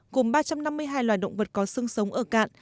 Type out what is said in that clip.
gồm ba trăm năm mươi hai loài động vật có sương sống ở cạn